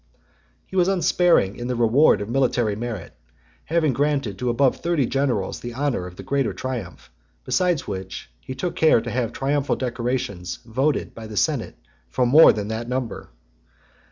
XXXVIII. He was unsparing in the reward of military merit, having granted to above thirty generals the honour of the greater triumph; besides which, he took care to have triamphal decorations voted by the senate for more than that number.